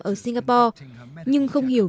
ở singapore nhưng không hiểu